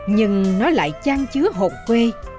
nhưng nó lại trang chứa hồn quê